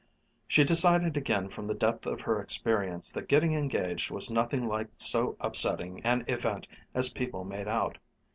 She decided again from the depth of her experience that getting engaged was nothing like so upsetting an event as people made out.